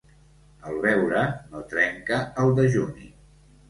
El beure no trenca el dejuni.